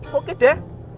kok gitu deh